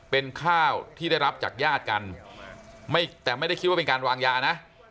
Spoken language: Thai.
เป็นข้าวที่ได้รับจากญาติกันแต่ไม่ได้คิดว่าเป็นการวางยานะ